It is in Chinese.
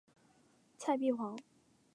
蔡璧煌。